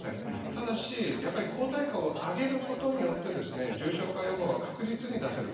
ただし抗体価を上げることによって重症化予防は確実に出せる。